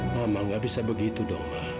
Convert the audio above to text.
mama gak bisa begitu dong ma